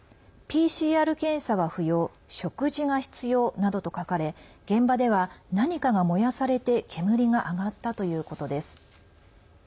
「ＰＣＲ検査は不要食事が必要」などと書かれ現場では何かが燃やされて煙が上がったということです。